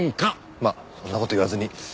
まあそんな事言わずに。